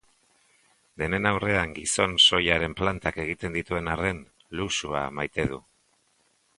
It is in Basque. Denen aurrean gizon soilaren plantak egiten dituen arren, luxua maite du.